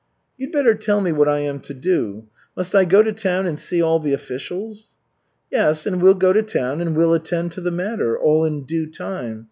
"You'd better tell me what I am to do. Must I go to town and see all the officials?" "Yes, and we'll go to town and we'll attend to the matter all in due time.